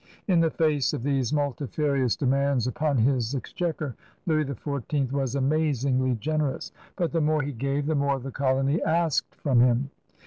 In the face of these multifarious demands upon his exchequer, Louis XIV was amazingly generous, but the more he gave, the more the colony asked from him.